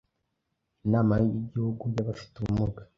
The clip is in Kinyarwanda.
Inama y’Igihugu y’Abafite Ubumuga